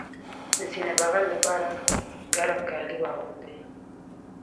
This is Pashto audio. د سینه بغل لپاره ګرم کالي واغوندئ